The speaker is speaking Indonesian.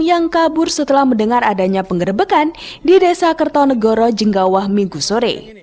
yang kabur setelah mendengar adanya pengerebekan di desa kertonegoro jenggawah minggu sore